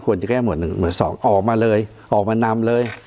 ควรจะแก้หมดหนึ่งหรือสองออกมาเลยออกมานำเลย